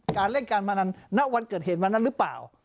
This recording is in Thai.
การเล่นการพนันณวันเกิดเหตุวันนั้นหรือเปล่า